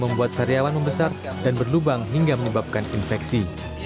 membuat karyawan membesar dan berlubang hingga menyebabkan infeksi